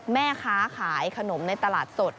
แม่ค้าขายขนมในตลาดสด